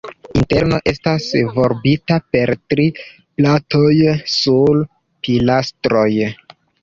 Interno estas volbita per tri platoj sur pilastroj.